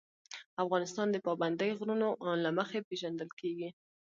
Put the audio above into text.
افغانستان د پابندی غرونه له مخې پېژندل کېږي.